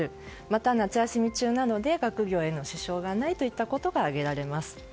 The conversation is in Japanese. また夏休み中なので学業への支障がないといったことが挙げられます。